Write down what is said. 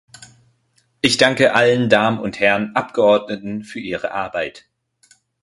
Ich danke allen Damen und Herren Abgeordneten für ihre Arbeit.